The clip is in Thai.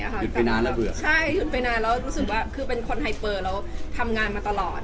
หยุดไปนานแล้วเผื่อใช่หยุดไปนานแล้วรู้สึกว่าคือเป็นคนไฮเปอร์แล้วทำงานมาตลอด